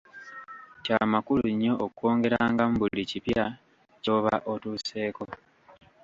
Kya makulu nnyo okwongerangamu buli kipya ky'oba otuseeko.